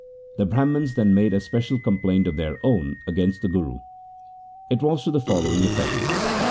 3 The Brahmans then made a special complaint of their own against the Guru. It was to the following effect.